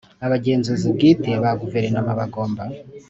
Abagenzuzi bwite ba Guverinoma bagomba